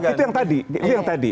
itu yang tadi